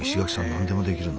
何でもできるな。